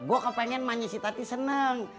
gua kepengen maennya si tati seneng